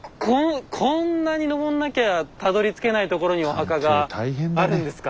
こんなに上んなきゃたどりつけないところにお墓があるんですか？